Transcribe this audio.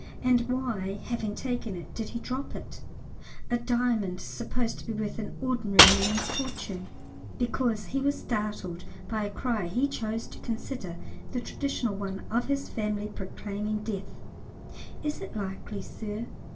And why, having taken it, did he drop it—a diamond supposed to be worth an ordinary man's fortune? Because he was startled by a cry he chose to consider the traditional one of his family proclaiming death? Is it likely, sir?